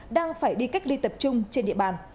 đang phải đi cách ly tập trung trên địa bàn